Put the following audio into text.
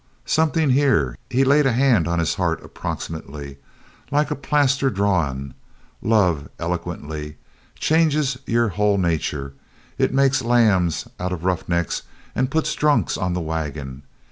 "Somethin' here," he laid a hand on his heart, approximately, "like a plaster drawin'. Love," eloquently, "changes your hull nature. It makes lambs out o' roughnecks and puts drunks on the wagon.